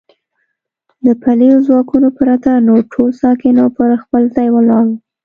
د پلیو ځواکونو پرته نور ټول ساکن او پر خپل ځای ولاړ و.